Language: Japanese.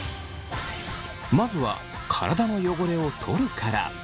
まずは「体の汚れをとる」から。